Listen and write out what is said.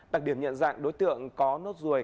đặc điểm nhận dạng đối tượng có nốt ruồi